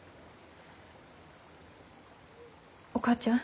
お母ちゃん。